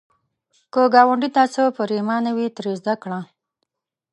که ګاونډي ته څه پرېمانه وي، ترې زده کړه